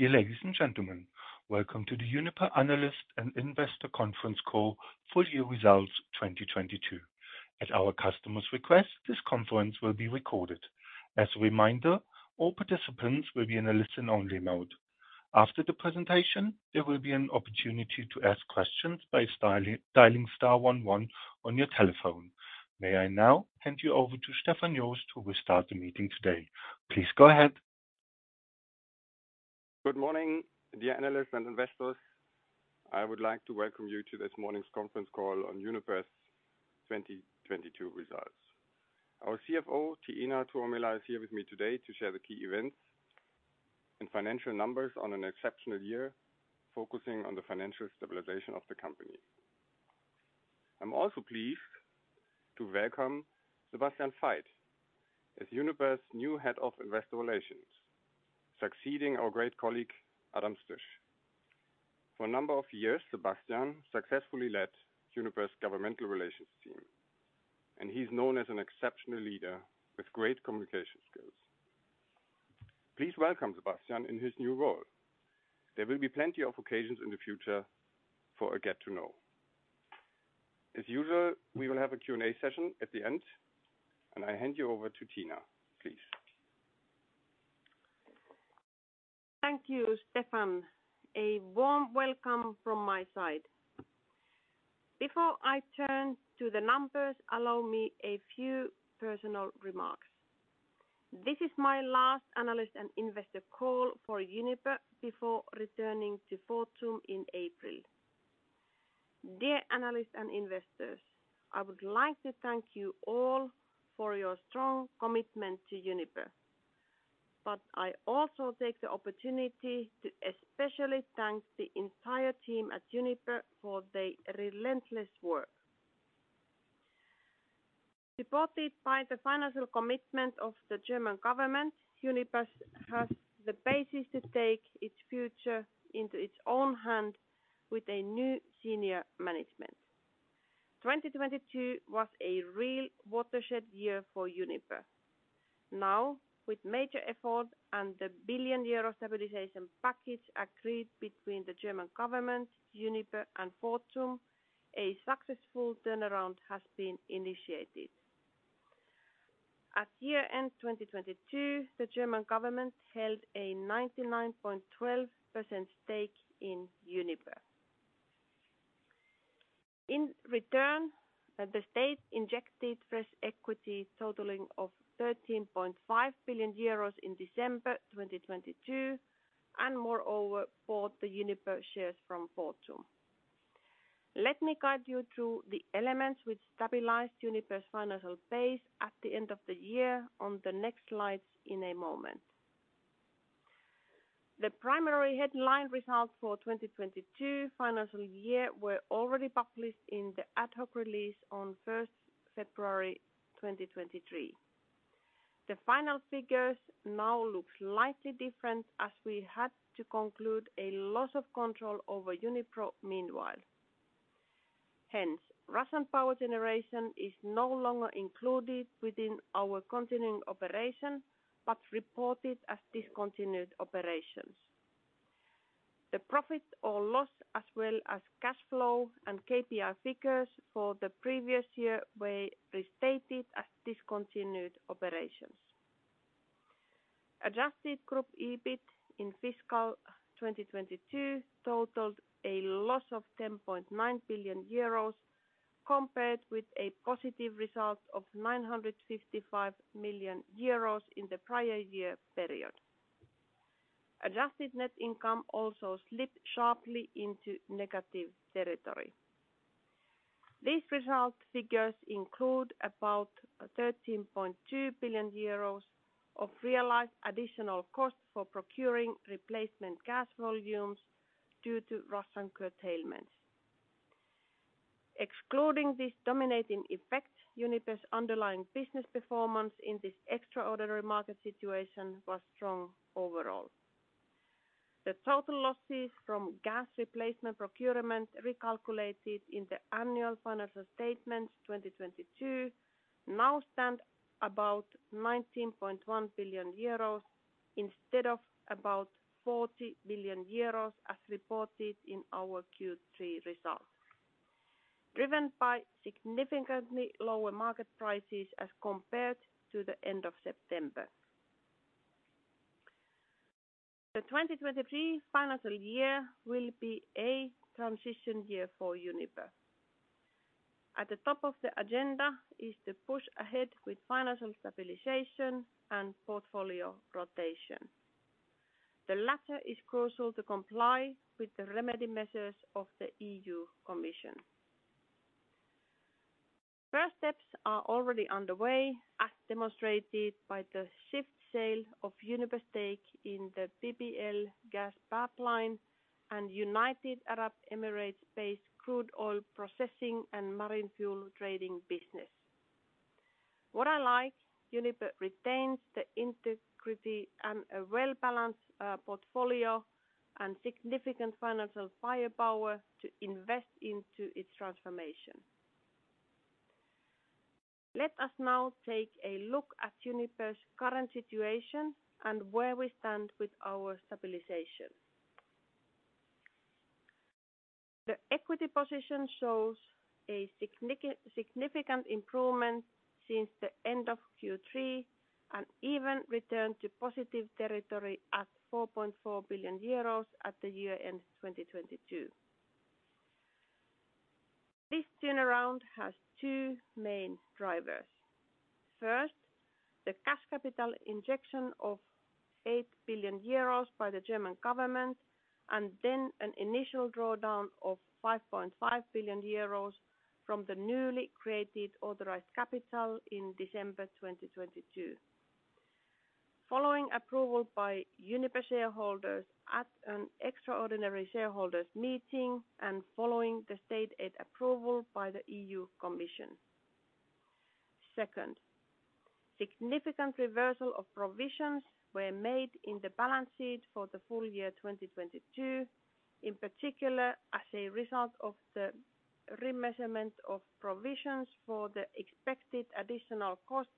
Dear ladies and gentlemen, welcome to the Uniper Analyst and Investor Conference Call Full Year Results 2022. At our customer's request, this conference will be recorded. As a reminder, all participants will be in a listen-only mode. After the presentation, there will be an opportunity to ask questions by styli-dialing star one one on your telephone. May I now hand you over to Stefan Jost, who will start the meeting today. Please go ahead. Good morning, dear analysts and investors. I would like to welcome you to this morning's conference call on Uniper's 2022 results. Our CFO, Tiina Tuomela, is here with me today to share the key events and financial numbers on an exceptional year, focusing on the financial stabilization of the company. I'm also pleased to welcome Sebastian Veit as Uniper's new head of investor relations, succeeding our great colleague, Adam Strzyz. For a number of years, Sebastian successfully led Uniper's governmental relations team, and he's known as an exceptional leader with great communication skills. Please welcome Sebastian in his new role. There will be plenty of occasions in the future for a get to know. As usual, we will have a Q&A session at the end, and I hand you over to Tiina, please. Thank you, Stefan. A warm welcome from my side. Before I turn to the numbers, allow me a few personal remarks. This is my last analyst and investor call for Uniper before returning to Fortum in April. Dear analysts and investors, I would like to thank you all for your strong commitment to Uniper. I also take the opportunity to especially thank the entire team at Uniper for their relentless work. Supported by the financial commitment of the German government, Uniper has the basis to take its future into its own hand with a new senior management. 2022 was a real watershed year for Uniper. With major effort and the 1 billion euro stabilization package agreed between the German government, Uniper, and Fortum, a successful turnaround has been initiated. At year-end 2022, the German government held a 99.12% stake in Uniper. In return, the state injected fresh equity totaling of 13.5 billion euros in December 2022, and moreover, bought the Uniper shares from Fortum. Let me guide you through the elements which stabilized Uniper's financial base at the end of the year on the next slides in a moment. The primary headline results for 2022 financial year were already published in the ad hoc release on February 1st, 2023. The final figures now look slightly different, as we had to conclude a loss of control over Uniper meanwhile. Hence, Russian power generation is no longer included within our continuing operation, but reported as discontinued operations. The profit or loss, as well as cash flow and KPI figures for the previous year were restated as discontinued operations. Adjusted group EBIT in fiscal 2022 totaled a loss of 10.9 billion euros compared with a positive result of 955 million euros in the prior year period. Adjusted Net Income also slipped sharply into negative territory. These result figures include about 13.2 billion euros of realized additional costs for procuring replacement gas volumes due to Russian curtailments. Excluding this dominating effect, Uniper's underlying business performance in this extraordinary market situation was strong overall. The total losses from gas replacement procurement recalculated in the annual financial statements 2022 now stand about 19.1 billion euros instead of about 40 billion euros as reported in our Q3 results, driven by significantly lower market prices as compared to the end of September. The 2023 financial year will be a transition year for Uniper. At the top of the agenda is to push ahead with financial stabilization and portfolio rotation. The latter is crucial to comply with the remedy measures of the EU Commission. First steps are already underway, as demonstrated by the swift sale of Uniper's stake in the BBL gas pipeline and United Arab Emirates-based crude oil processing and marine fuel trading business. What I like, Uniper retains the integrity and a well-balanced portfolio and significant financial firepower to invest into its transformation. Let us now take a look at Uniper's current situation and where we stand with our stabilization. The equity position shows a significant improvement since the end of Q3, and even returned to positive territory at 4.4 billion euros at the year-end 2022. This turnaround has two main drivers. First, the cash capital injection of 8 billion euros by the German government, and then an initial drawdown of 5.5 billion euros from the newly created authorized capital in December 2022, following approval by Uniper shareholders at an extraordinary shareholders meeting and following the state aid approval by the EU Commission. Second, significant reversal of provisions were made in the balance sheet for the full year 2022, in particular, as a result of the remeasurement of provisions for the expected additional costs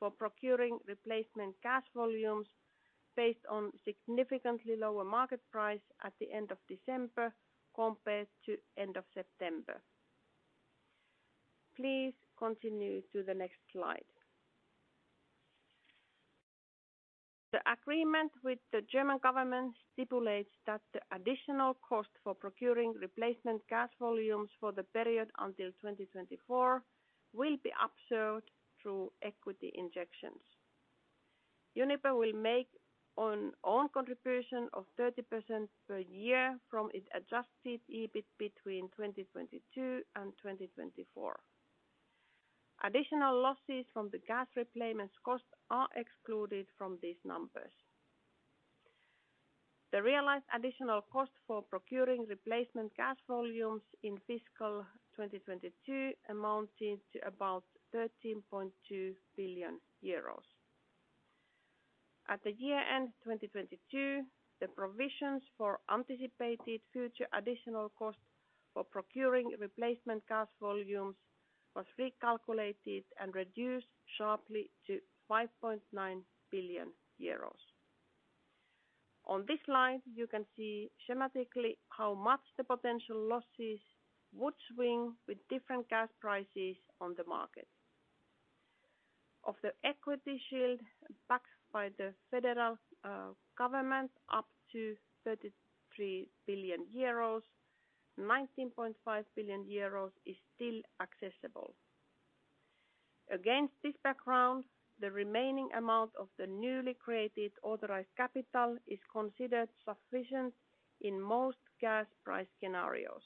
for procuring replacement gas volumes based on significantly lower market price at the end of December compared to end of September. Please continue to the next slide. The agreement with the German government stipulates that the additional cost for procuring replacement gas volumes for the period until 2024 will be absorbed through equity injections. Uniper will make an own contribution of 30% per year from its adjusted EBIT between 2022 and 2024. Additional losses from the gas replacements costs are excluded from these numbers. The realized additional cost for procuring replacement gas volumes in fiscal 2022 amounted to about 13.2 billion euros. At the year-end 2022, the provisions for anticipated future additional costs for procuring replacement gas volumes was recalculated and reduced sharply to 5.9 billion euros. On this slide, you can see schematically how much the potential losses would swing with different gas prices on the market. Of the equity shield backed by the federal government, up to 33 billion euros, 19.5 billion euros is still accessible. Against this background, the remaining amount of the newly created authorized capital is considered sufficient in most gas price scenarios.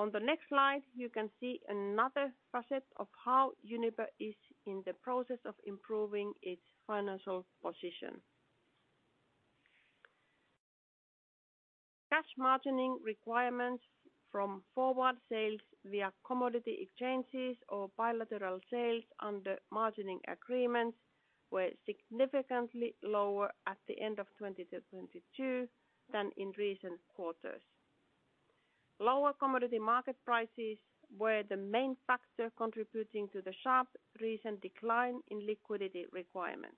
On the next slide, you can see another facet of how Uniper is in the process of improving its financial position. Cash margining requirements from forward sales via commodity exchanges or bilateral sales under margining agreements were significantly lower at the end of 2022 than in recent quarters. Lower commodity market prices were the main factor contributing to the sharp recent decline in liquidity requirements.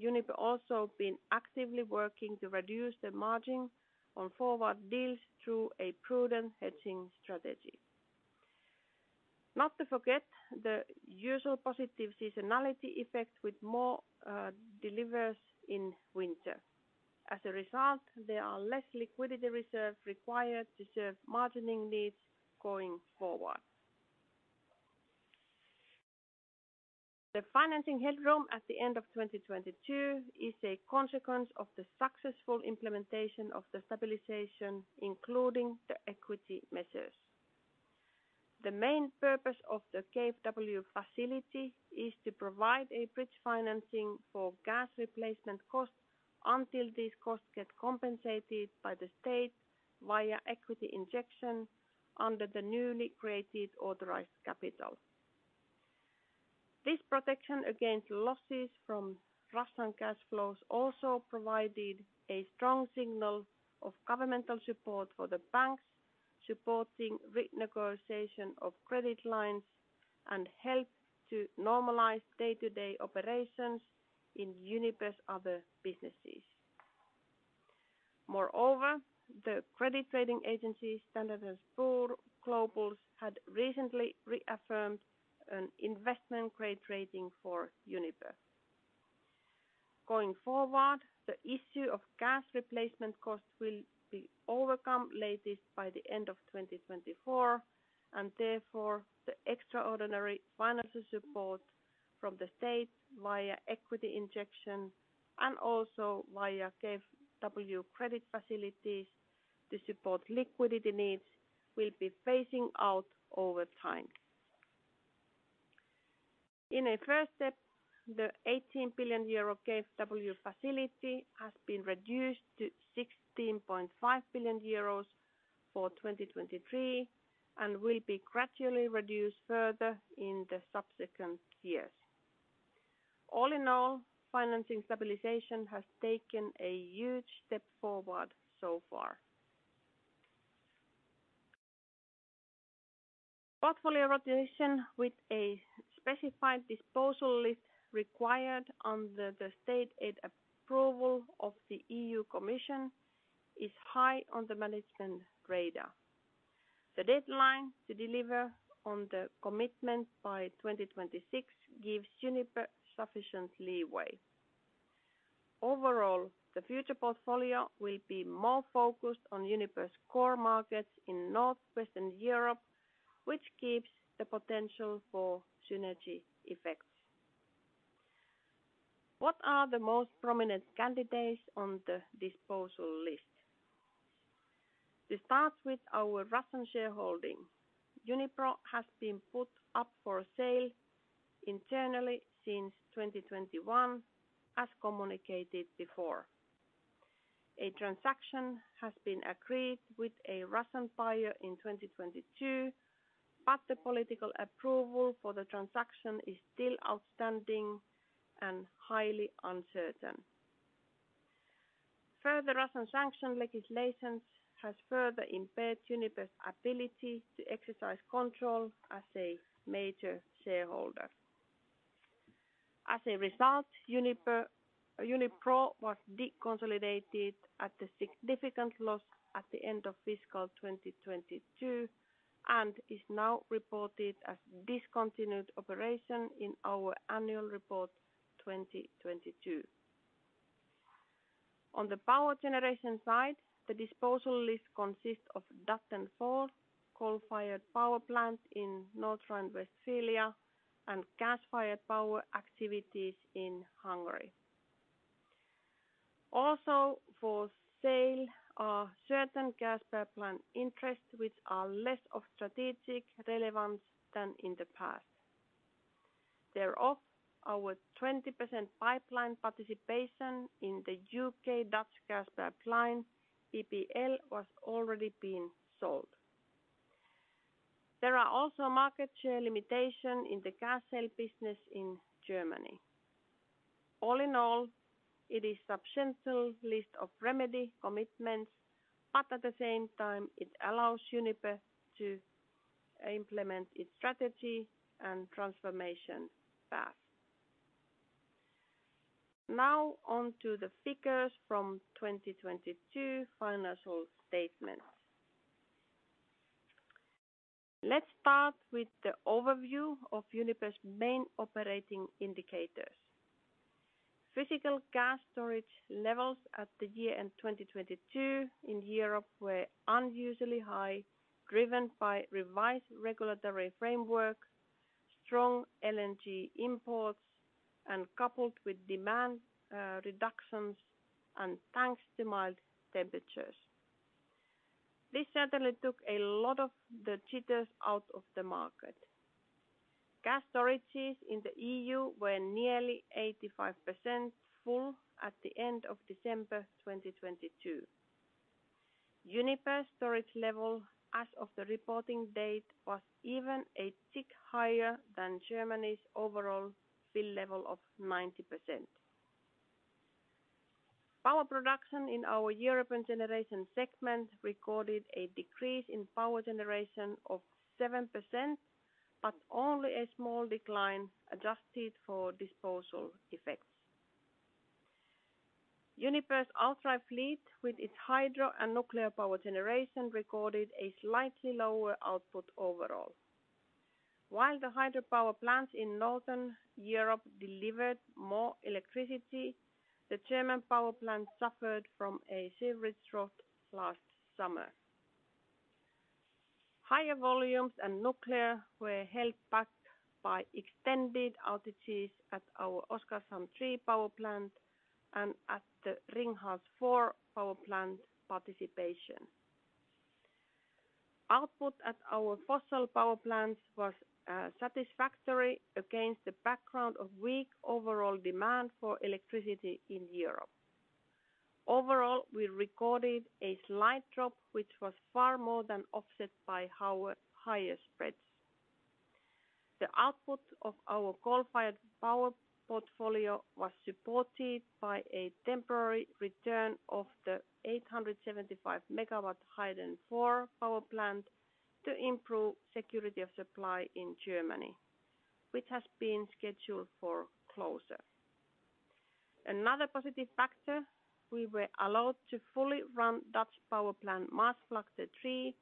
Uniper also been actively working to reduce the margin on forward deals through a prudent hedging strategy. Not to forget the usual positive seasonality effect with more delivers in winter. There are less liquidity reserve required to serve margining needs going forward. The financing headroom at the end of 2022 is a consequence of the successful implementation of the stabilization, including the equity measures. The main purpose of the KfW facility is to provide a bridge financing for gas replacement costs until these costs get compensated by the state via equity injection under the newly created authorized capital. This protection against losses from Russian gas flows also provided a strong signal of governmental support for the banks, supporting renegotiation of credit lines and help to normalize day-to-day operations in Uniper's other businesses. Moreover, the credit rating agency Standard & Poor Global had recently reaffirmed an investment-grade rating for Uniper. Going forward, the issue of gas replacement costs will be overcome latest by the end of 2024, and therefore, the extraordinary financial support from the state via equity injection and also via KfW credit facilities to support liquidity needs will be phasing out over time. In a first step, the 18 billion euro KfW facility has been reduced to 16.5 billion euros for 2023, and will be gradually reduced further in the subsequent years. All in all, financing stabilization has taken a huge step forward so far. Portfolio rotation with a specified disposal list required under the state aid approval of the EU Commission is high on the management radar. The deadline to deliver on the commitment by 2026 gives Uniper sufficient leeway. Overall, the future portfolio will be more focused on Uniper's core markets in Northwestern Europe, which keeps the potential for synergy effects. What are the most prominent candidates on the disposal list? To start with our Russian shareholding, Unipro has been put up for sale internally since 2021 as communicated before. A transaction has been agreed with a Russian buyer in 2022, but the political approval for the transaction is still outstanding and highly uncertain. Further Russian sanction legislation has further impaired Uniper's ability to exercise control as a major shareholder. As a result, Unipro was deconsolidated at a significant loss at the end of fiscal 2022 and is now reported as discontinued operations in our annual report 2022. On the power generation side, the disposal list consists of Datteln 4 coal-fired power plant in North Rhine-Westphalia and gas-fired power activities in Hungary. For sale are certain gas pipeline interests, which are less of strategic relevance than in the past. They're off our 20% pipeline participation in the U.K. Dutch Gas Pipeline, BBL, was already being sold. There are also market share limitations in the gas sale business in Germany. All in all, it is substantial list of remedy commitments. At the same time, it allows Uniper to implement its strategy and transformation path. On to the figures from 2022 financial statements. Let's start with the overview of Uniper's main operating indicators. Physical gas storage levels at the year-end in 2022 in Europe were unusually high, driven by revised regulatory framework, strong LNG imports, and coupled with demand reductions and thanks to mild temperatures. This certainly took a lot of the jitters out of the market. Gas storages in the EU were nearly 85% full at the end of December 2022. Uniper storage level as of the reporting date was even a tick higher than Germany's overall fill level of 90%. Power production in our European Generation segment recorded a decrease in power generation of 7%, but only a small decline adjusted for disposal effects. Uniper's outright fleet, with its Hydro and nuclear power generation, recorded a slightly lower output overall. While the hydropower plants in Northern Europe delivered more electricity, the German power plant suffered from a severe drought last summer. Higher volumes and nuclear were held back by extended outages at our Oskarshamn three power plant and at the Ringhals four power plant participation. Output at our fossil power plants was satisfactory against the background of weak overall demand for electricity in Europe. Overall, we recorded a slight drop, which was far more than offset by our higher spreads. The output of our coal-fired power portfolio was supported by a temporary return of the 875 megawatt Heyden four power plant to improve security of supply in Germany, which has been scheduled for closure. Another positive factor, we were allowed to fully run Dutch power plant Maasvlakte three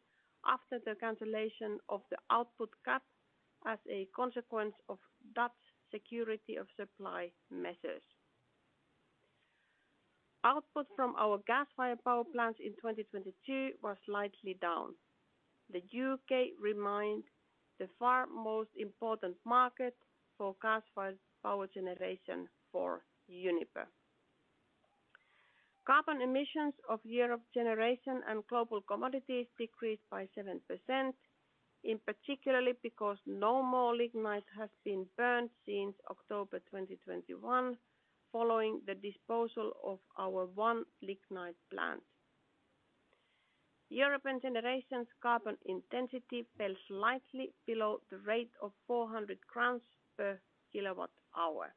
after the cancellation of the output cut as a consequence of Dutch security of supply measures. Output from our gas-fired power plants in 2022 was slightly down. The U.K. remains the far most important market for gas-fired power generation for Uniper. Carbon emissions of European Generation and Global Commodities decreased by 7%, in particularly because no more lignite has been burned since October 2021 following the disposal of our one lignite plant. European Generation's carbon intensity fell slightly below the rate of 400 grams per kilowatt hour.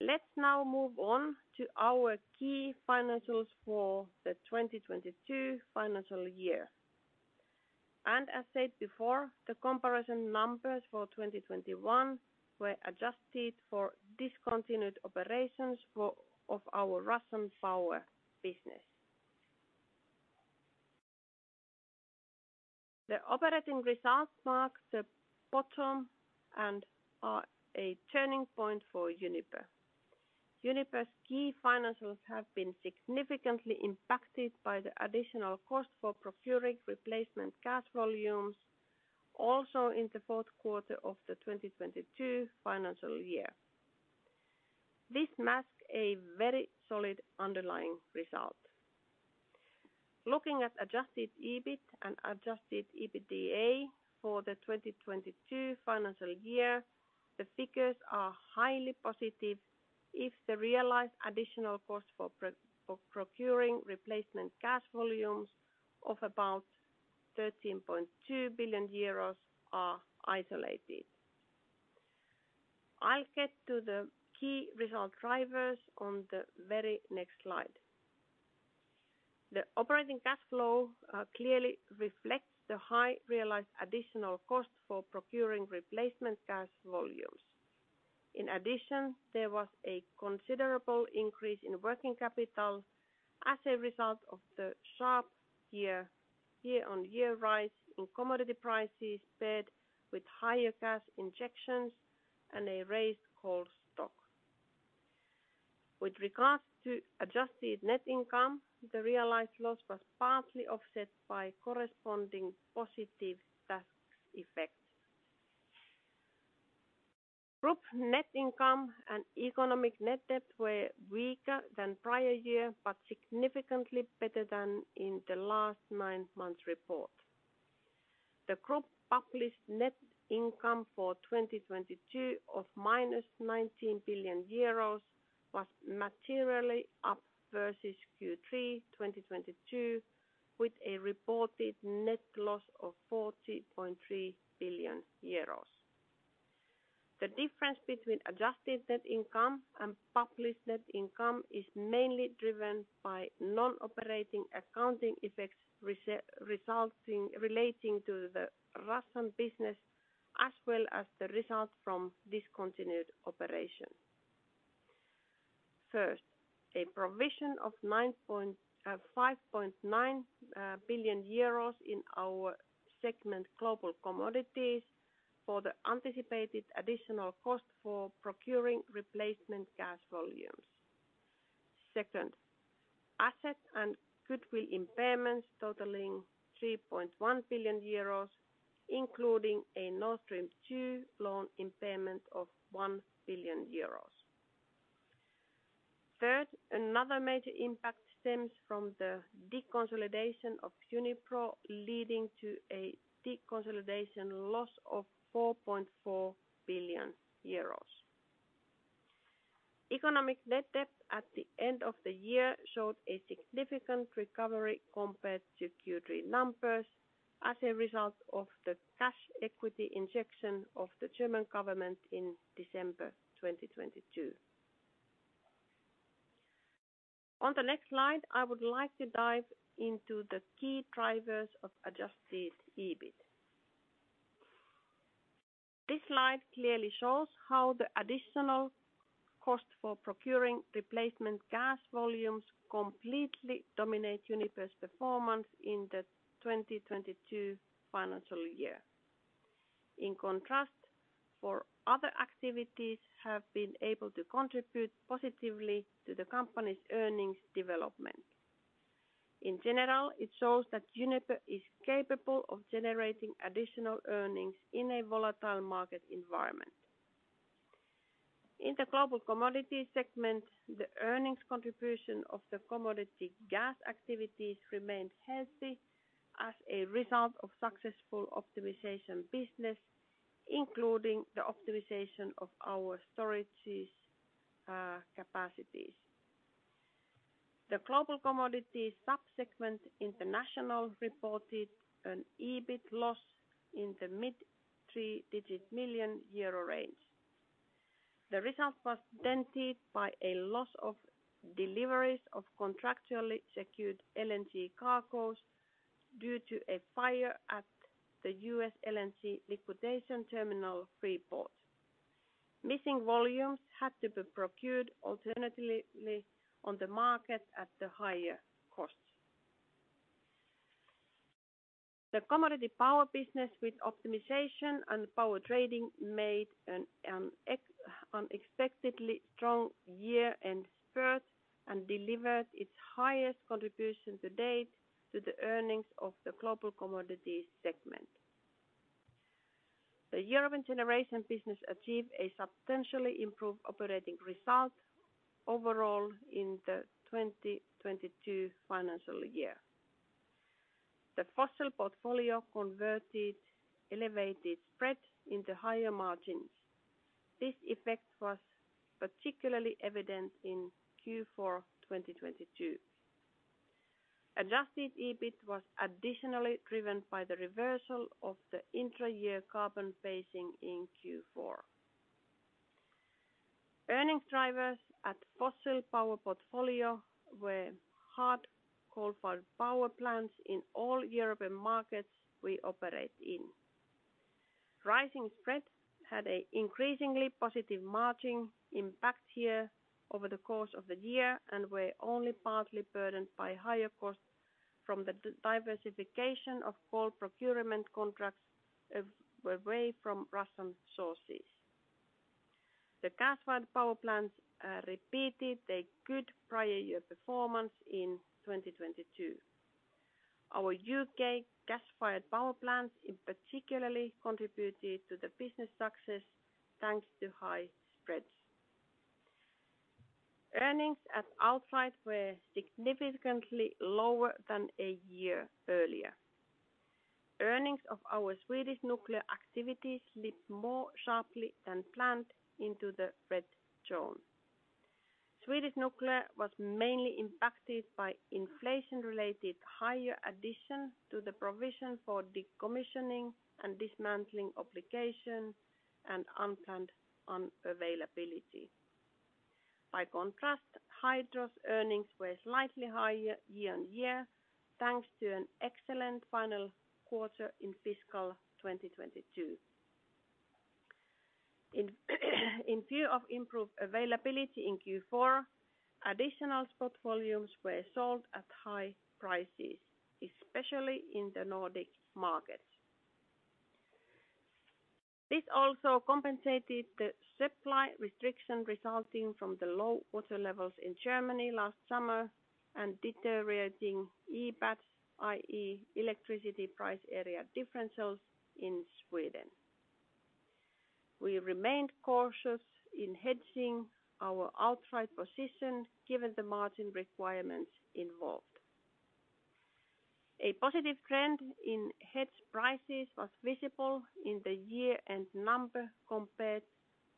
Let's now move on to our key financials for the 2022 financial year. As said before, the comparison numbers for 2021 were adjusted for discontinued operations of our Russian power business. The operating results marked the bottom and a turning point for Uniper. Uniper's key financials have been significantly impacted by the additional cost for procuring replacement gas volumes also in the Q4 of the 2022 financial year. This masks a very solid underlying result. Looking at adjusted EBIT and adjusted EBITDA for the 2022 financial year, the figures are highly positive if the realized additional cost for procuring replacement gas volumes of about 13.2 billion euros are isolated. I'll get to the key result drivers on the very next slide. The Operating Cash Flow clearly reflects the high realized additional cost for procuring replacement gas volumes. There was a considerable increase in working capital as a result of the sharp year-on-year rise in commodity prices paired with higher gas injections and a raised coal stock. With regards to Adjusted Net Income, the realized loss was partly offset by corresponding positive tax effects. Group net income and economic net debt were weaker than prior year, but significantly better than in the last nine months report. The group published net income for 2022 of -19 billion euros was materially up versus Q3 2022, with a reported net loss of 40.3 billion euros. The difference between Adjusted Net Income and published net income is mainly driven by non-operating accounting effects relating to the Russian business, as well as the results from discontinued operations. First, a provision of 5.9 billion euros in our segment Global Commodities for the anticipated additional cost for procuring replacement gas volumes. Second, asset and goodwill impairments totaling 3.1 billion euros, including a Nord Stream 2 loan impairment of 1 billion euros. Third, another major impact stems from the deconsolidation of Unipro, leading to a deconsolidation loss of 4.4 billion euros. Economic net debt at the end of the year showed a significant recovery compared to Q3 numbers as a result of the cash equity injection of the German government in December 2022. On the next slide, I would like to dive into the key drivers of adjusted EBIT. This slide clearly shows how the additional cost for procuring replacement gas volumes completely dominate Uniper's performance in the 2022 financial year. In contrast, for other activities have been able to contribute positively to the company's earnings development. In general, it shows that Uniper is capable of generating additional earnings in a volatile market environment. In the Global Commodities segment, the earnings contribution of the commodity gas activities remained healthy as a result of successful optimization business, including the optimization of our storages capacities. The Global Commodities sub-segment International reported an EBIT loss in the mid three digit million EURO range. The result was dented by a loss of deliveries of contractually secured LNG cargos due to a fire at the U.S. LNG liquefaction terminal Freeport. Missing volumes had to be procured alternatively on the market at the higher cost. The commodity power business with optimization and power trading made an unexpectedly strong year and spurt and delivered its highest contribution to date to the earnings of the Global Commodities segment. The European Generation business achieved a substantially improved operating result overall in the 2022 financial year. The fossil portfolio converted elevated spread into higher margins. This effect was particularly evident in Q4 2022. Adjusted EBIT was additionally driven by the reversal of the intra-year carbon pacing in Q4. Earnings drivers at fossil power portfolio were hard coal-fired power plants in all European markets we operate in. Rising spreads had an increasingly positive margin impact here over the course of the year, and were only partly burdened by higher costs from the diversification of coal procurement contracts away from Russian sources. The gas-fired power plants repeated a good prior year performance in 2022. Our U.K. gas-fired power plants in particularly contributed to the business success thanks to high spreads. Earnings at outright were significantly lower than a year earlier. Earnings of our Swedish Nuclear activities slipped more sharply than planned into the red zone. Swedish Nuclear was mainly impacted by inflation-related higher additions to the provision for decommissioning and dismantling obligations and unplanned unavailability. By contrast, Hydro's earnings were slightly higher year-over-year, thanks to an excellent final quarter in fiscal 2022. In view of improved availability in Q4, additional spot volumes were sold at high prices, especially in the Nordic markets. This also compensated the supply restriction resulting from the low water levels in Germany last summer and deteriorating EPAD, i.e. electricity price area differentials in Sweden. We remained cautious in hedging our outright position given the margin requirements involved. A positive trend in hedge prices was visible in the year-end number compared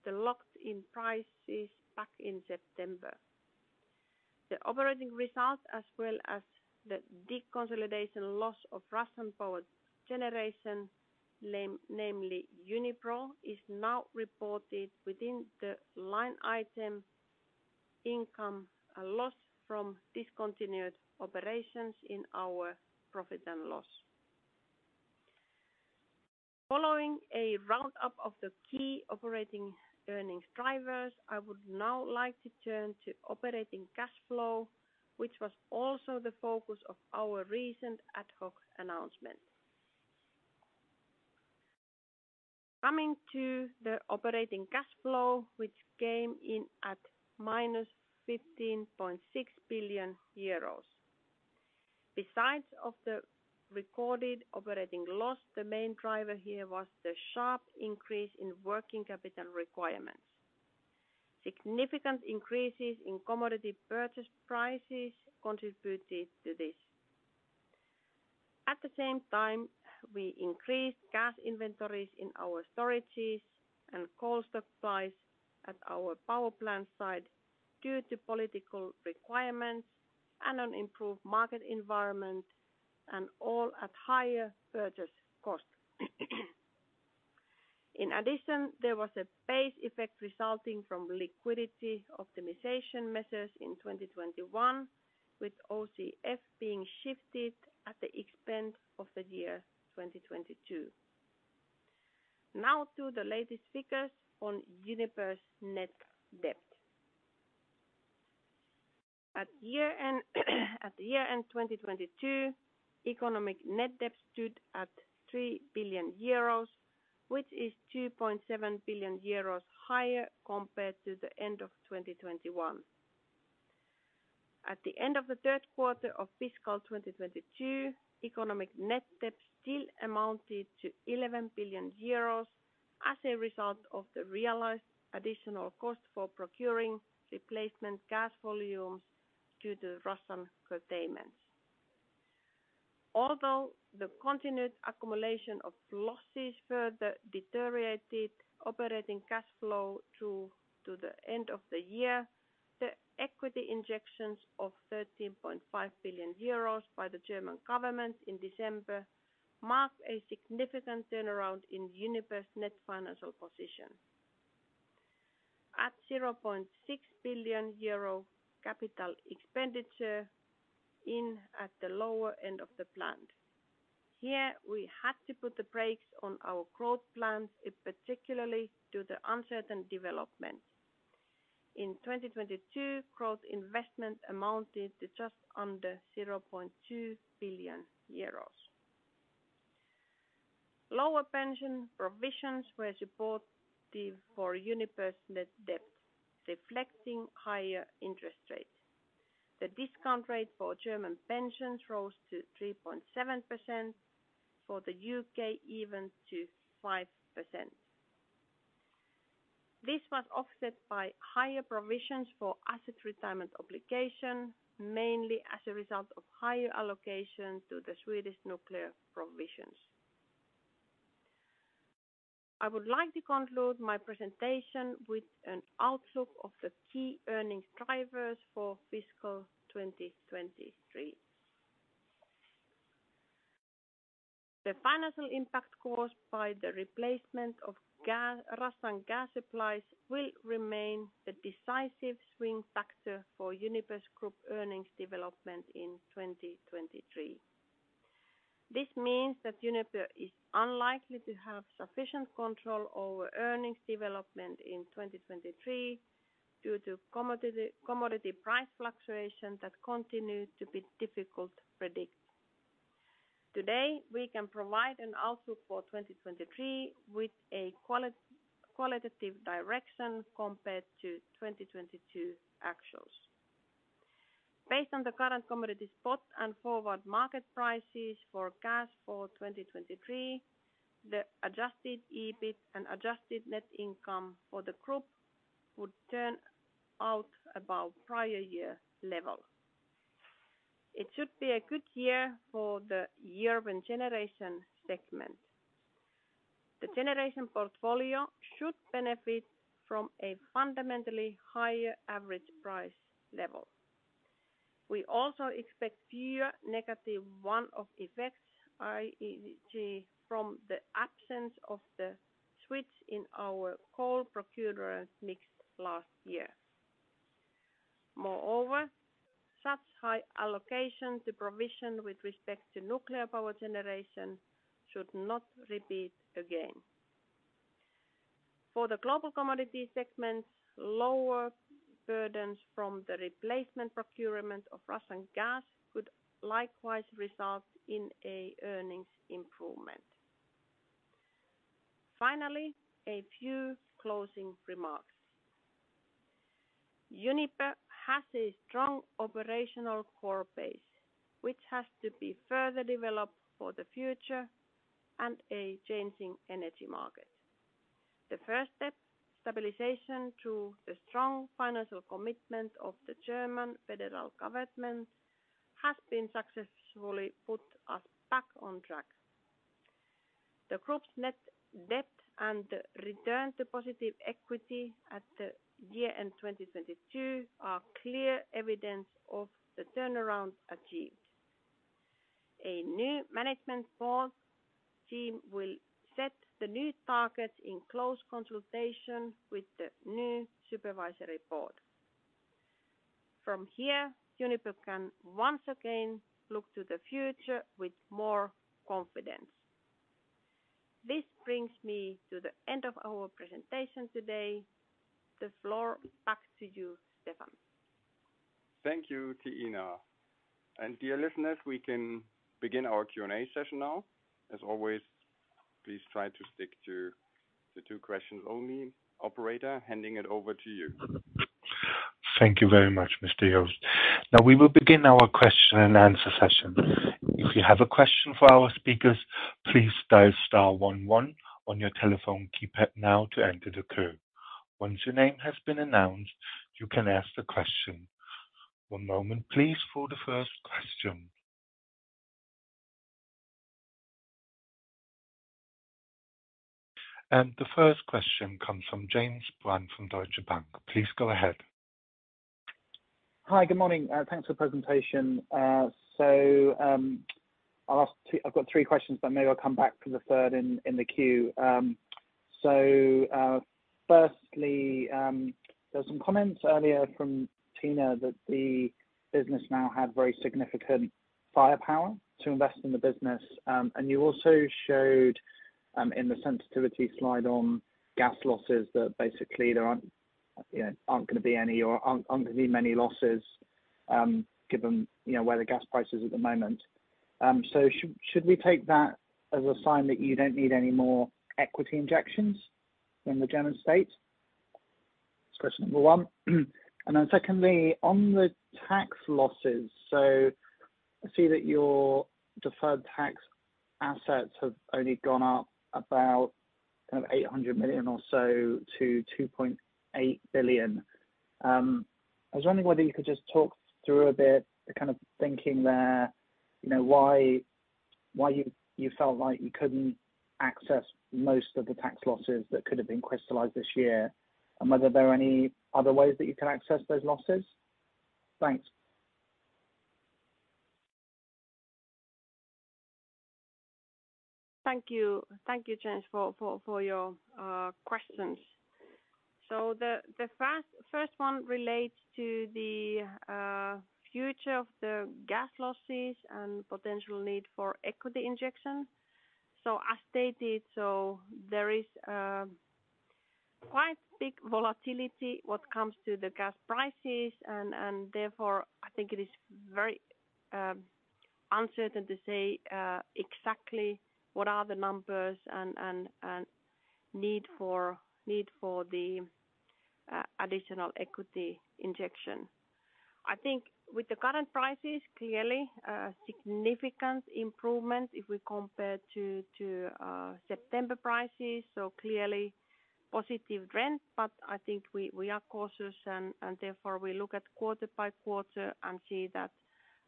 to locked-in prices back in September. The operating results as well as the deconsolidation loss of Russian Power Generation, namely Unipro, is now reported within the line item income loss from discontinued operations in our profit and loss. Following a round-up of the key operating earnings drivers, I would now like to turn to operating cash flow, which was also the focus of our recent ad hoc announcement. Coming to the operating cash flow, which came in at minus 15.6 billion euros. Besides of the recorded operating loss, the main driver here was the sharp increase in working capital requirements. Significant increases in commodity purchase prices contributed to this. At the same time, we increased cash inventories in our storages and coal supplies at our power plant site due to political requirements and an improved market environment and all at higher purchase cost. In addition, there was a base effect resulting from liquidity optimization measures in 2021, with OCF being shifted at the expense of the year 2022. Now to the latest figures on Uniper's net debt. At year-end 2022, economic net debt stood at 3 billion euros, which is 2.7 billion euros higher compared to the end of 2021. At the end of the Q3 of fiscal 2022, economic net debt still amounted to 11 billion euros as a result of the realized additional cost for procuring replacement gas volumes due to Russian curtailments. Although the continued accumulation of losses further deteriorated operating cash flow through to the end of the year, the equity injections of 13.5 billion euros by the German government in December marked a significant turnaround in Uniper's net financial position. At 0.6 billion euro capital expenditure in at the lower end of the planned. Here, we had to put the brakes on our growth plans, in particular due to uncertain development. In 2022, growth investment amounted to just under 0.2 billion euros. Lower pension provisions were supportive for Uniper's net debt, reflecting higher interest rate. The discount rate for German pensions rose to 3.7%, for the U.K. even to 5%. This was offset by higher provisions for asset retirement obligation, mainly as a result of higher allocation to the Swedish nuclear provisions. I would like to conclude my presentation with an outlook of the key earnings drivers for fiscal 2023. The financial impact caused by the replacement of Russian gas supplies will remain the decisive swing factor for Uniper's group earnings development in 2023. This means that Uniper is unlikely to have sufficient control over earnings development in 2023 due to commodity price fluctuation that continue to be difficult to predict. Today, we can provide an outlook for 2023 with a qualitative direction compared to 2022 actuals. Based on the current commodity spot and forward market prices for gas for 2023, the adjusted EBIT and Adjusted Net Income for the group would turn out about prior year levels. It should be a good year for the European Generation segment. The generation portfolio should benefit from a fundamentally higher average price level. We also expect year -1 of effects, i.e., G from the absence of the switch in our coal procurement mix last year. Moreover, such high allocation to provision with respect to nuclear power generation should not repeat again. For the Global Commodities segment, lower burdens from the replacement procurement of Russian gas could likewise result in a earnings improvement. Finally, a few closing remarks. Uniper has a strong operational core base, which has to be further developed for the future and a changing energy market. The first step, stabilization through the strong financial commitment of the German federal government, has been successfully put us back on track. The group's net debt and return to positive equity at the year-end 2022 are clear evidence of the turnaround achieved. A new management board team will set the new targets in close consultation with the new supervisory board. From here, Uniper can once again look to the future with more confidence. This brings me to the end of our presentation today. The floor back to you, Stefan. Thank you, Tiina. Dear listeners, we can begin our Q&A session now. As always, please try to stick to the two questions only. Operator, handing it over to you. Thank you very much, Mr. Jost. Now we will begin our question and answer session. If you have a question for our speakers, please dial star one one one your telephone keypad now to enter the queue. Once your name has been announced, you can ask the question. One moment, please, for the first question. The first question comes from James Brown from Deutsche Bank. Please go ahead. Hi, good morning. thanks for the presentation. I've got three questions, but maybe I'll come back for the third in the queue. Firstly, there was some comments earlier from Tiina that the business now had very significant firepower to invest in the business. You also showed, in the sensitivity slide on gas losses that basically there aren't, you know, gonna be any or aren't gonna be many losses, given, you know, where the gas price is at the moment. Should we take that as a sign that you don't need any more equity injections from the German state? That's question number one. Secondly, on the tax losses. I see that your deferred tax assets have only gone up about 800 million or so to 2.8 billion. I was wondering whether you could just talk through a bit the thinking there. You know, why you felt like you couldn't access most of the tax losses that could have been crystallized this year? Whether there are any other ways that you can access those losses? Thanks. Thank you. Thank you, James, for your questions. The first one relates to the future of the gas losses and potential need for equity injections. As stated, there is quite big volatility what comes to the gas prices and therefore I think it is very uncertain to say exactly what are the numbers and need for additional equity injection. I think with the current prices, clearly, significant improvement if we compare to September prices, clearly positive trend. I think we are cautious and therefore we look at quarter by quarter and see that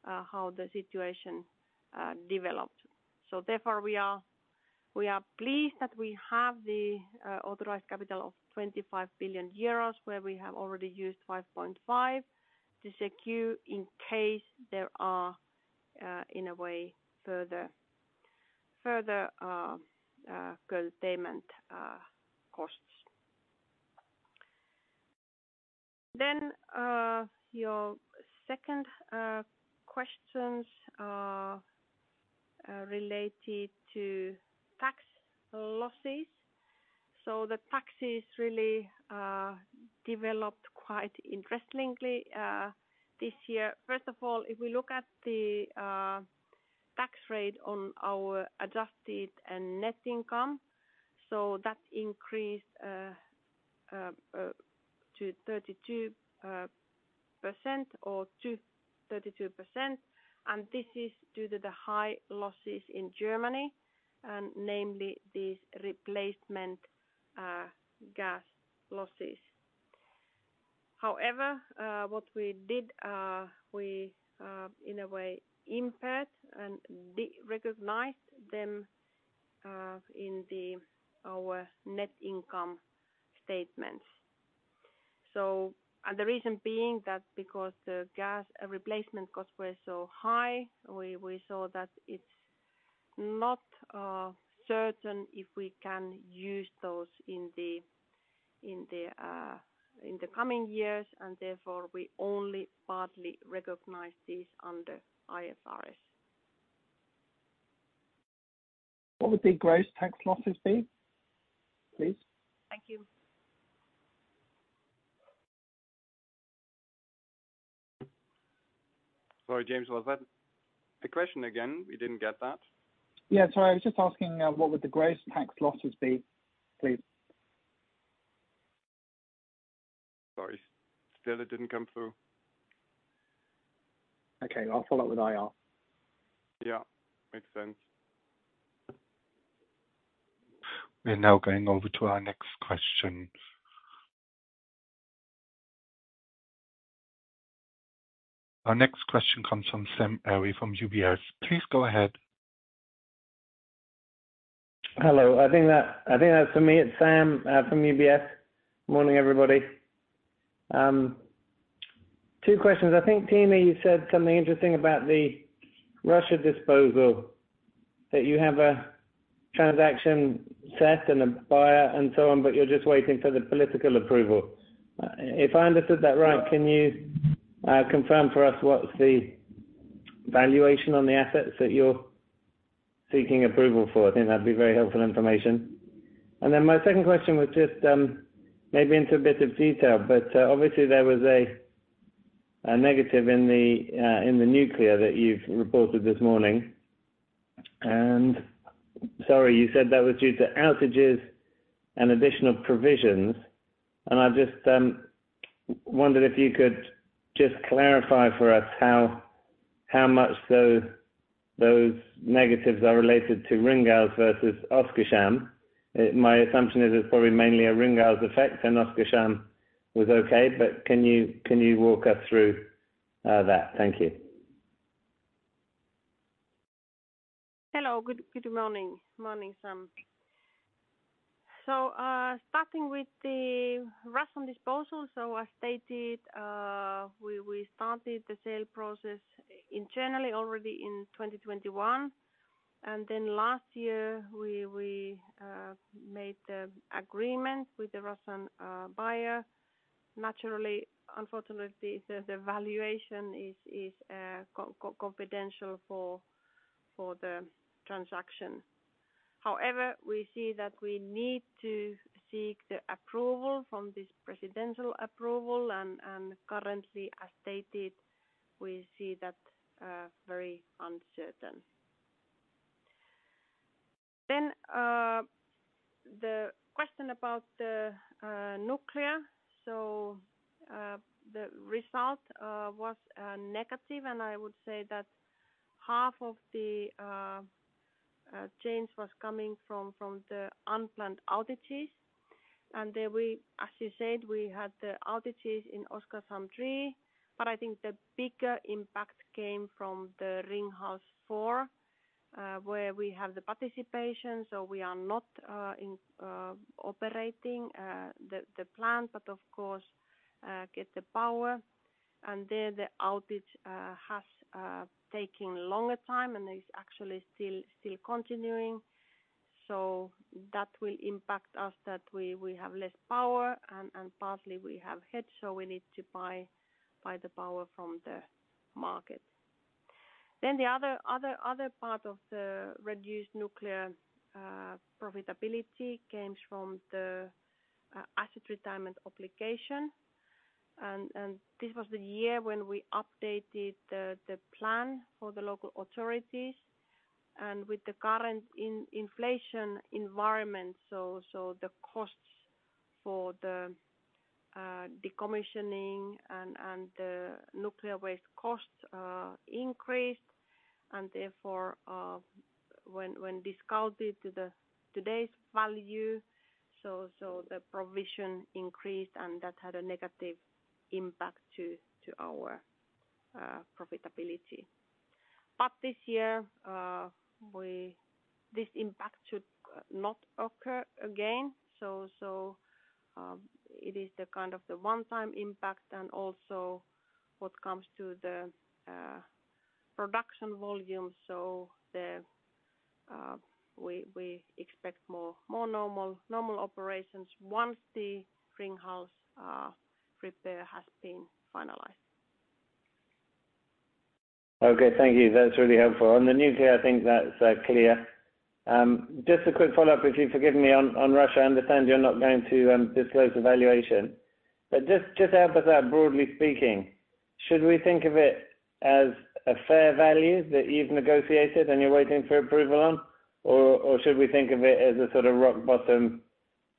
how the situation developed. Therefore, we are pleased that we have the authorized capital of 25 billion euros, where we have already used 5.5 billion to secure in case there are in a way further gold payment costs. Your second questions are related to tax losses. The taxes really developed quite interestingly this year. First of all, if we look at the tax rate on our adjusted and net income, that increased to 32%. This is due to the high losses in Germany, namely these replacement gas losses. However, what we did, we in a way impaired and derecognized them in our net income statements. The reason being that because the gas replacement costs were so high, we saw that it's not certain if we can use those in the coming years, therefore we only partly recognize this under IFRS. What would the gross tax losses be, please? Thank you. Sorry, James, what was that? The question again. We didn't get that. Sorry. I was just asking, what would the gross tax losses be, please? Sorry. Still, it didn't come through. Okay. I'll follow up with IR. Yeah, makes sense. We're now going over to our next question. Our next question comes from Sam Arie from UBS. Please go ahead. Hello. I think that's for me, it's Sam from UBS. Morning, everybody. Two questions. I think, Tiina, you said something interesting about the Russia disposal, that you have a transaction set and a buyer and so on, but you're just waiting for the political approval. If I understood that right, can you confirm for us what's the valuation on the assets that you're seeking approval for? I think that'd be very helpful information. My second question was just, maybe into a bit of detail, but obviously there was a negative in the nuclear that you've reported this morning. Sorry, you said that was due to outages and additional provisions. I just wondered if you could just clarify for us how much those negatives are related to Ringhals versus Oskarshamn? My assumption is it's probably mainly a Ringhals effect, and Oskarshamn was okay. Can you walk us through that? Thank you. Hello. Good morning, Sam. Starting with the Russian disposal. As stated, we started the sale process internally already in 2021. Last year we made the agreement with the Russian buyer. Naturally, unfortunately, the valuation is confidential for the transaction. However, we see that we need to seek the approval from this presidential approval, and currently, as stated, we see that very uncertain. The question about the nuclear. The result was negative, and I would say that half of the change was coming from the unplanned outages. We, as you said, we had the outages in Oskarshamn 3, but I think the bigger impact came from the Ringhals 4, where we have the participation, so we are not in operating the plant, but of course, get the power. The outage has taken longer time and is actually still continuing. That will impact us, that we have less power and partly we have hedge, so we need to buy the power from the market. The other part of the reduced nuclear profitability comes from the asset retirement obligation. This was the year when we updated the plan for the local authorities. With the current inflation environment, so the costs for the decommissioning and the nuclear waste costs increased and therefore, when discounted to today's value, so the provision increased, and that had a negative impact to our profitability. This year, this impact should not occur again. It is the kind of the one-time impact and also what comes to the production volume. We expect more normal operations once the Gonyu repair has been finalized. Okay, thank you. That's really helpful. On the nuclear, I think that's clear. Just a quick follow-up, if you'd forgive me on Russia. I understand you're not going to disclose the valuation, but just help us out, broadly speaking, should we think of it as a fair value that you've negotiated and you're waiting for approval on? Or should we think of it as a sort of rock bottom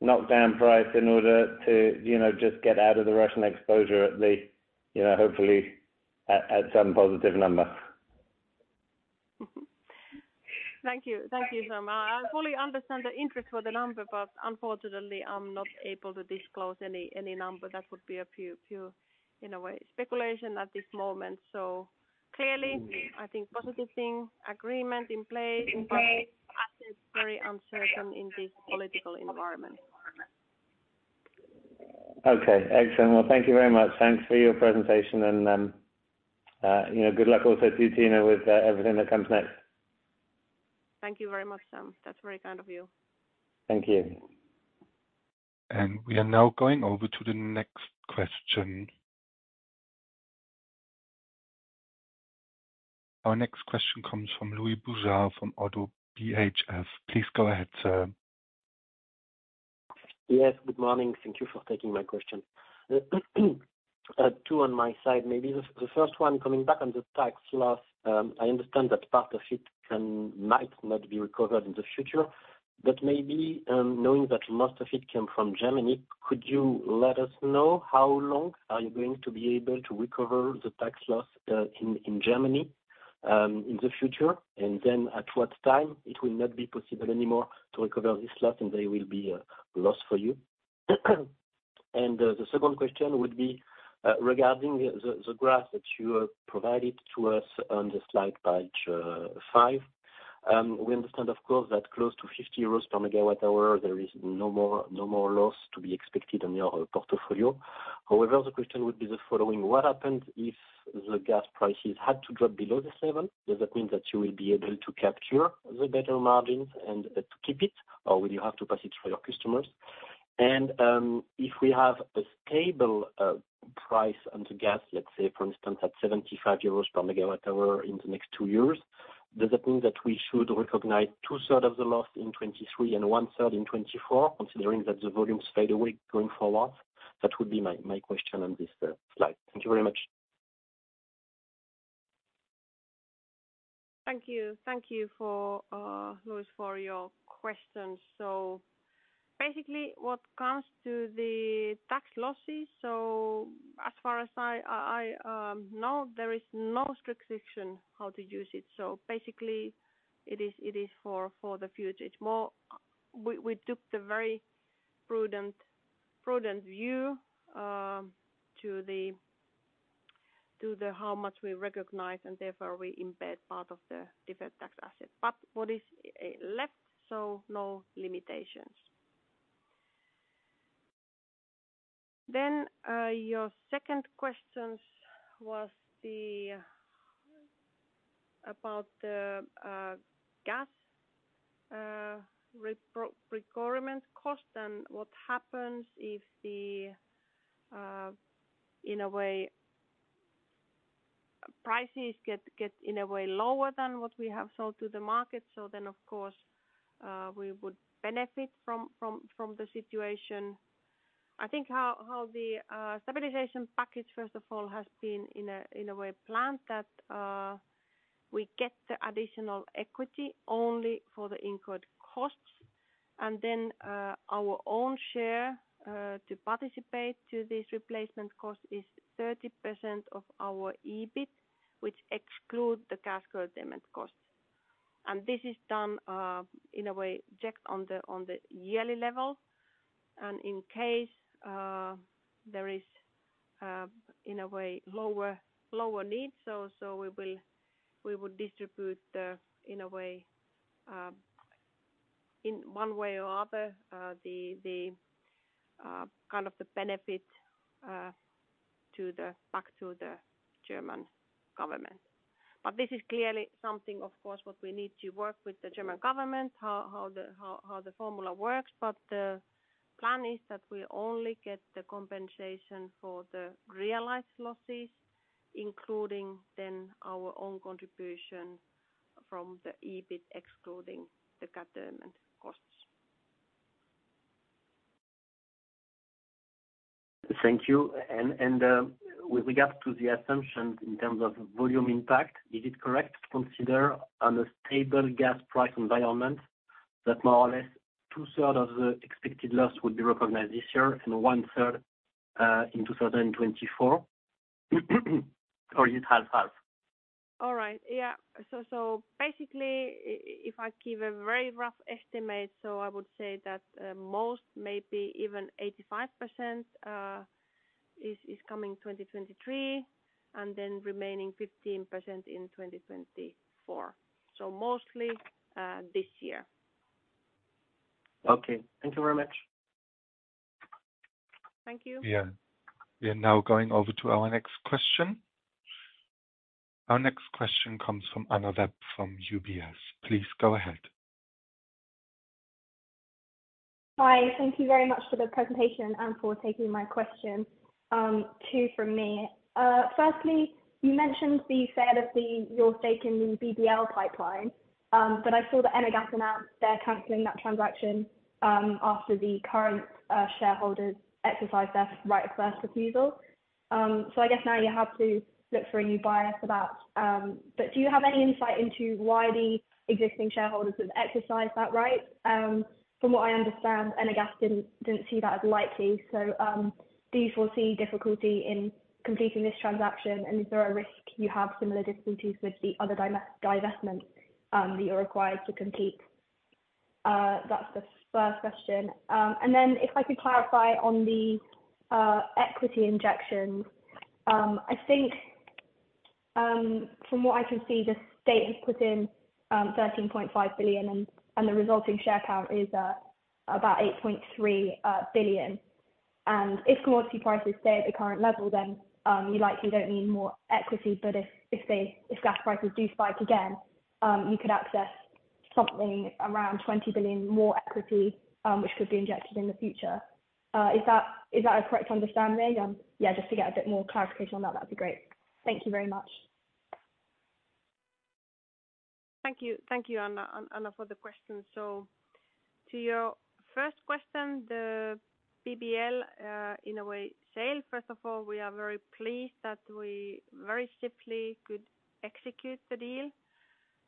knock down price in order to, you know, just get out of the Russian exposure at least, you know, hopefully at some positive number? Thank you. Thank you, Sam. I fully understand the interest for the number. Unfortunately I'm not able to disclose any number. That would be a few, in a way, speculation at this moment. Clearly, I think positive thing, agreement in place, but asset very uncertain in this political environment. Okay, excellent. Well, thank you very much. Thanks for your presentation and, you know, good luck also to you, Tiina, with everything that comes next. Thank you very much, Sam. That's very kind of you. Thank you. We are now going over to the next question. Our next question comes from Louis Bourgeat from ODDO BHF. Please go ahead, sir. Yes, good morning. Thank you for taking my question. Two on my side, maybe the first one coming back on the tax loss. I understand that part of it can, might not be recovered in the future, but maybe, knowing that most of it came from Germany, could you let us know how long are you going to be able to recover the tax loss in Germany in the future? At what time it will not be possible anymore to recover this loss, and they will be loss for you. The second question would be regarding the graph that you provided to us on the slide page five. We understand of course, that close to 50 euros per megawatt-hour, there is no more loss to be expected on your portfolio. However, the question would be the following. What happens if the gas prices had to drop below EUR 7? Does that mean that you will be able to capture the better margins and to keep it, or will you have to pass it through your customers? If we have a stable price on the gas, let's say for instance at 75 euros per megawatt-hour in the next two years, does that mean that we should recognize two-third of the loss in 2023 and one-third in 2024, considering that the volumes fade away going forward? That would be my question on this slide. Thank you very much. Thank you. Thank you for Louis, for your questions. Basically what comes to the tax losses, as far as I know, there is no restriction how to use it. Basically it is for the future. It's more we took the very prudent view to the how much we recognize and therefore we embed part of the deferred tax asset. What is left, no limitations. Your second questions was about the gas requirement cost and what happens if the in a way, prices get in a way lower than what we have sold to the market. Of course, we would benefit from the situation. I think how the stabilization package, first of all, has been in a way planned that we get the additional equity only for the incurred costs. Then our own share to participate to this replacement cost is 30% of our EBIT, which excludes the gas procurement costs. This is done in a way, checked on the yearly level. In case there is in a way lower needs, so we will, we would distribute the in a way, in one way or other, the kind of the benefit to the back to the German government. This is clearly something, of course, what we need to work with the German government, how the formula works. The plan is that we only get the compensation for the realized losses, including then our own contribution from the EBIT, excluding the procurement costs. Thank you. With regards to the assumptions in terms of volume impact, is it correct to consider on a stable gas price environment that more or less two-third of the expected loss would be recognized this year and one-third, in 2024? Or is it half? All right. Yeah. Basically if I give a very rough estimate, I would say that most, maybe even 85%, is coming 2023, and then remaining 15% in 2024. Mostly, this year. Okay. Thank you very much. Thank you. Yeah. We are now going over to our next question. Our next question comes from Anna Pugh from UBS. Please go ahead. Hi. Thank you very much for the presentation and for taking my question. Two from me. Firstly, you mentioned the sale of the, your stake in the BBL pipeline, but I saw that Enagás announced they're canceling that transaction after the current shareholders exercised their right of first refusal. I guess now you have to look for a new buyer for that. Do you have any insight into why the existing shareholders have exercised that right? From what I understand, Enagás didn't see that as likely. Do you foresee difficulty in completing this transaction? Is there a risk you have similar difficulties with the other divestment that you're required to complete? That's the first question. If I could clarify on the equity injections. I think, from what I can see, the state has put in 13.5 billion, and the resulting share count is about 8.3 billion. If commodity prices stay at the current level, then you likely don't need more equity, but if gas prices do spike again, you could access something around 20 billion more equity, which could be injected in the future. Is that a correct understanding? Yeah, just to get a bit more clarification on that'd be great. Thank you very much. Thank you. Thank you, Anna, for the question. To your first question, the BBL, in a way, sale. First of all, we are very pleased that we very simply could execute the deal.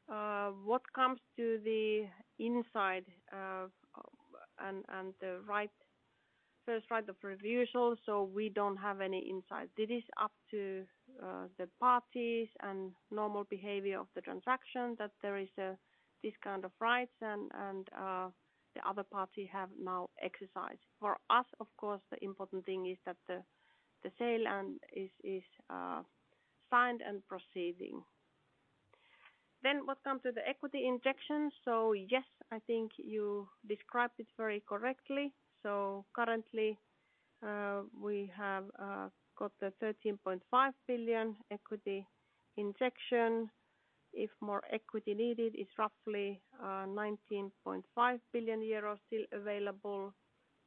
What comes to the inside, and the right, first right of refusal, so we don't have any insight. It is up to the parties and normal behavior of the transaction that there is this kind of rights and the other party have now exercised. For us, of course, the important thing is that the sale is signed and proceeding. What comes with the equity injection. Yes, I think you described it very correctly. Currently, we have got the 13.5 billion equity injection. If more equity needed, it's roughly 19.5 billion euros still available.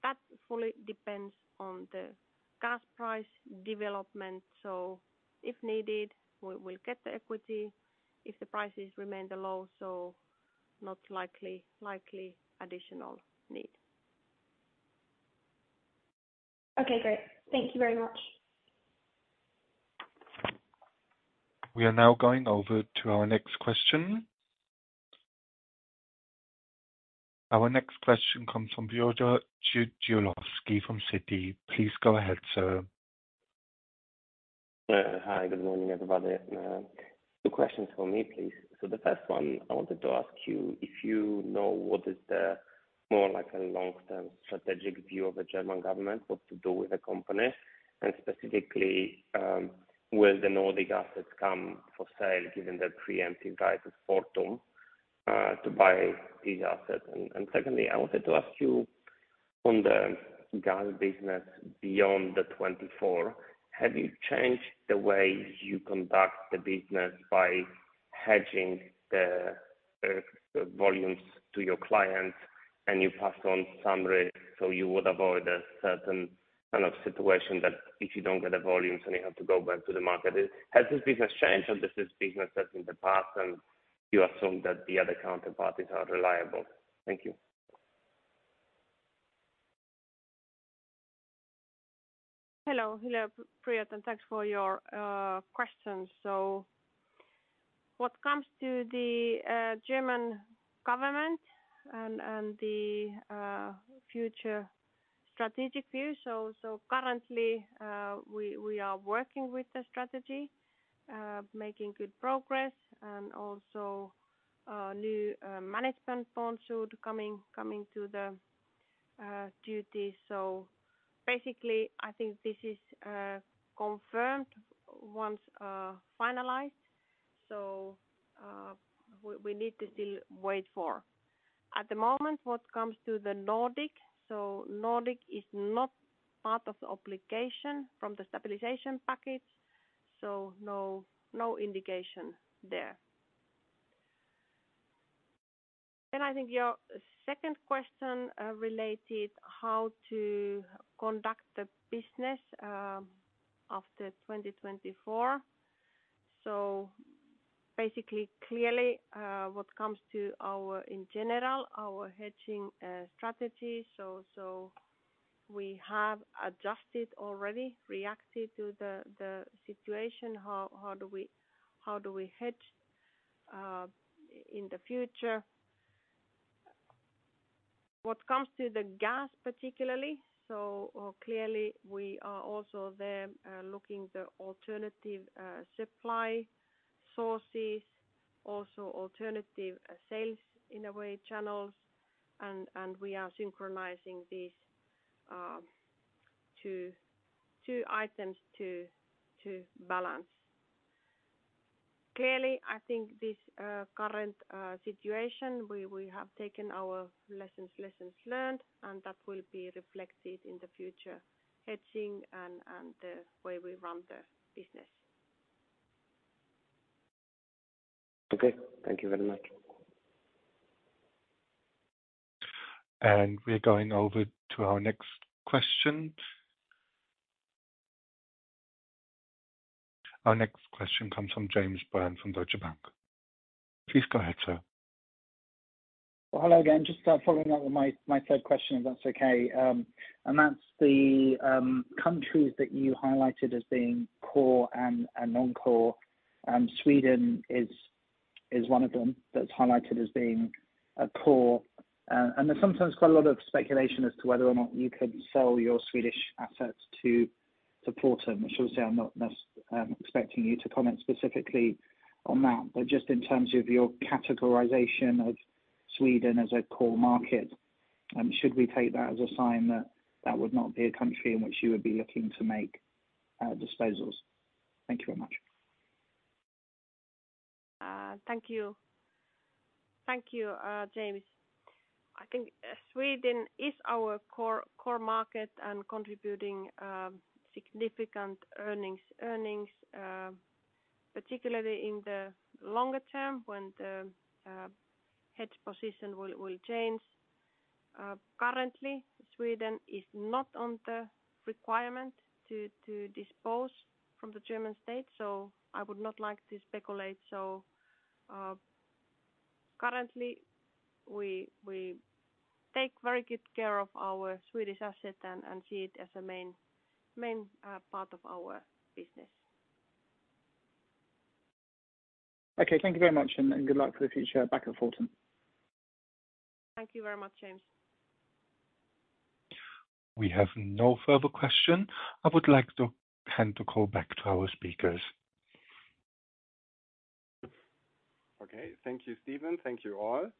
That fully depends on the gas price development. If needed, we will get the equity. If the prices remain low, not likely additional need. Okay, great. Thank you very much. We are now going over to our next question. Our next question comes from Piotr Dzieciolowski from Citi. Please go ahead, sir. Hi, good morning, everybody. Two questions from me, please. The first one, I wanted to ask you if you know what is the more like a long-term strategic view of the German government, what to do with the company? Specifically, will the Nordic assets come for sale given the preemptive right of Fortum to buy these assets? Secondly, I wanted to ask you on the gas business beyond 2024, have you changed the way you conduct the business by hedging the volumes to your clients and you pass on some risk, so you would avoid a certain kind of situation that if you don't get the volumes, then you have to go back to the market. Has this business changed or this is business as in the past, and you assume that the other counterparties are reliable? Thank you. Hello, hello, Piotr, and thanks for your questions. What comes to the German government and the future strategic view. Currently, we are working with the strategy, making good progress and also, new management board should coming to the duty. Basically, I think this is confirmed once finalized. We need to still wait for. At the moment what comes to the Nordic is not part of the obligation from the stabilization package, no indication there. I think your second question related how to conduct the business after 2024. Basically, clearly, what comes to our, in general, our hedging strategy. We have adjusted already reacted to the situation, how do we hedge in the future. What comes to the gas particularly, so or clearly, we are also there, looking the alternative, supply sources, also alternative sales in a way, channels, and we are synchronizing these two items to balance. Clearly, I think this current situation, we have taken our lessons learned, and that will be reflected in the future hedging and the way we run the business. Okay. Thank you very much. We're going over to our next question. Our next question comes from James Brown from Deutsche Bank. Please go ahead, sir. Well, hello again. Just following up with my third question, if that's okay. That's the countries that you highlighted as being core and non-core. Sweden is one of them that's highlighted as being a core. There's sometimes quite a lot of speculation as to whether or not you could sell your Swedish assets to Fortum. I should say I'm not expecting you to comment specifically on that. Just in terms of your categorization of Sweden as a core market, should we take that as a sign that that would not be a country in which you would be looking to make disposals? Thank you very much. Thank you. Thank you, James. I think Sweden is our core market and contributing significant earnings, particularly in the longer term when the hedge position will change. Currently, Sweden is not on the requirement to dispose from the German State, so I would not like to speculate. Currently, we take very good care of our Swedish asset and see it as a main part of our business. Okay. Thank you very much, and good luck for the future back at Fortum. Thank you very much, James. We have no further question. I would like to hand the call back to our speakers. Okay. Thank you, Stefan. Thank you all.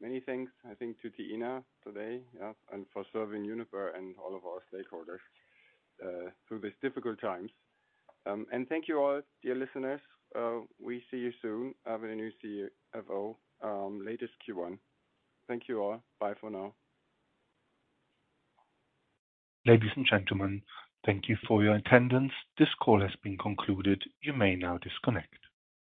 Many thanks, I think to Tiina today, yeah, and for serving Uniper and all of our stakeholders through these difficult times. Thank you all, dear listeners. We see you soon with a new CFO, latest Q1. Thank you all. Bye for now. Ladies and gentlemen, thank you for your attendance. This call has been concluded. You may now disconnect.